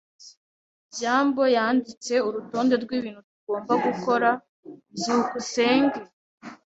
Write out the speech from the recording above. byambo yanditse urutonde rwibintu tugomba gukora. byukusenge